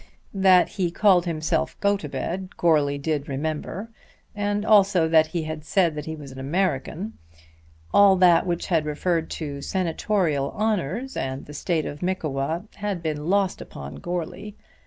That he called himself Gotobed Goarly did remember, and also that he had said that he was an American. All that which had referred to senatorial honours and the State of Mickewa had been lost upon Goarly.